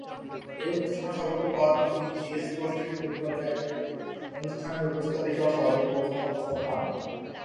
ঐ উপস্থাপনায় সফলতা পাওয়ার পর তিনি জি স্পোর্টস থেকে "ফুটবল ক্যাফে" অনুষ্ঠানের উপস্থাপিকা ও সহযোগী প্রযোজক হওয়ার প্রস্তাব পান।